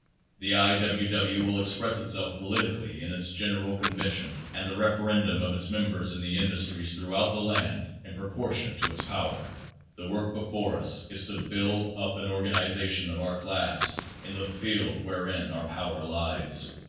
The I. W. W. will express itself politically in its gen eral convention and the referendum of its members in the industries throughout the land, in proportion to its power. The work before us is to build up an organization of our class in the field wherein our power lies.